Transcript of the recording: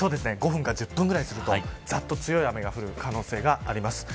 ５分から１０分ぐらいするとざっと強い雨が降る可能性があります。